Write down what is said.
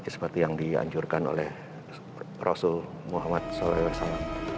seperti yang dianjurkan oleh rasul muhammad saw